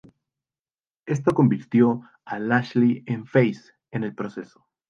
Esto convirtió a Lashley en "face" en el proceso.